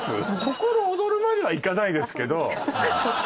心おどるまではいかないですけどあっ